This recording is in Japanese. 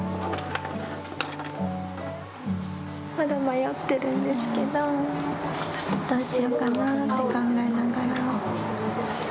まだ迷ってるんですけどどうしようかなって考えながら。